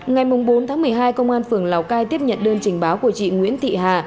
ngày bốn tháng một mươi hai công an phường lào cai tiếp nhận đơn trình báo của chị nguyễn thị hà